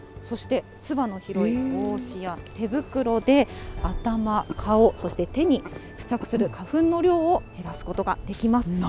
そしてつばの広い帽子や手袋で頭、顔、そして手に付着する花粉の量を減らすことができます。